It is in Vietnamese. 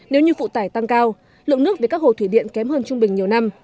nếu như phụ tải tăng cao lượng nước về các hồ thủy điện kém hơn trung bình nhiều năm